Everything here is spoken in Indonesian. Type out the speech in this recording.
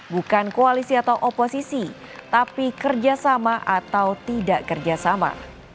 bukan koalisi atau oposisi tapi kerjasama atau tidak kerjasama